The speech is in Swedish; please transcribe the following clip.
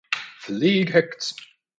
Flyg högt!